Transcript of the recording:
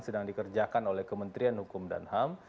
sedang dikerjakan oleh kementerian hukum dan ham